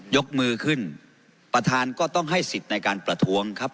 ยกมือขึ้นประธานก็ต้องให้สิทธิ์ในการประท้วงครับ